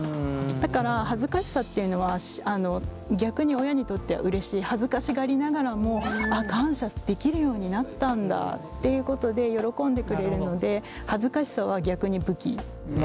だから恥ずかしさっていうのは逆に親にとってはうれしい恥ずかしがりながらも感謝できるようになったんだっていうことで喜んでくれるので恥ずかしさは逆に武器。